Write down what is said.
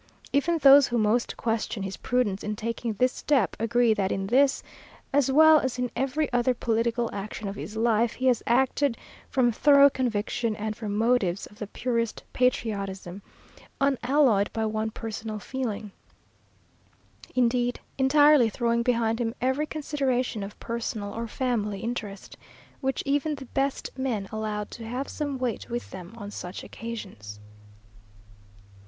Even those who most question his prudence in taking this step, agree that in this, as well as in every other political action of his life, he has acted from thorough conviction and from motives of the purest patriotism, unalloyed by one personal feeling; indeed, entirely throwing behind him every consideration of personal or family interest, which even the best men allow to have some weight with them on such occasions.